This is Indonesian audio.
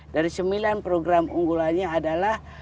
dari sembilan program unggulannya adalah